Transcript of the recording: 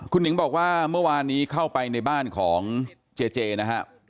คุณหนิงบอกว่าเมื่อวานนี้เข้าไปในบ้านของเจเจนะฮะ